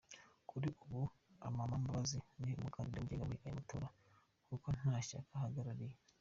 Kuri ubu Amama Mbabazi ni Umukandida wigenga muri aya matora, kuko nta Shyaka ahagarariye.